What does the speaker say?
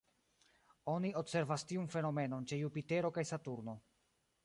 Oni observas tiun fenomenon ĉe Jupitero kaj Saturno.